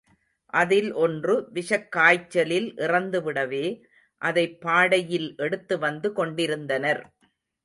அதில் ஒன்று விஷக் காய்ச்சலில் இறந்துவிடவே, அதைப் பாடையில் எடுத்து வந்து கொண்டிருந்தனர்.